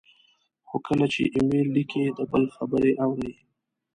خو کله چې ایمیل لیکئ، د بل خبرې اورئ،